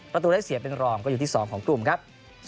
ประตูได้เสียเป็นรองก็อยู่ที่๒ของกลุ่มครับ